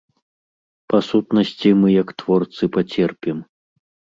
Па сутнасці, мы як вытворцы пацерпім.